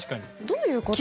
どういう事？